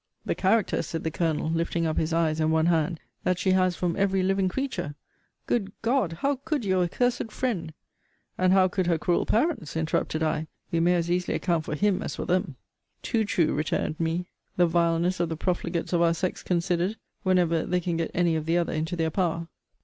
The character, said the Colonel, lifting up his eyes and one hand, that she has from every living creature! Good God! How could your accursed friend And how could her cruel parents? interrupted I. We may as easily account for him, as for them. Too true! returned me, the vileness of the profligates of our sex considered, whenever they can get any of the other into their power.